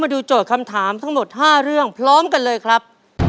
ดูโจทย์คำถามทั้งหมด๕เรื่องพร้อมกันเลยครับ